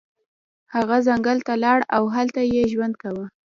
هغه ځنګل ته لاړ او هلته یې ژوند کاوه.